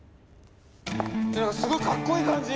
何かすごいかっこいい感じ。